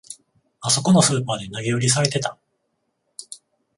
あそこのスーパーで投げ売りされてた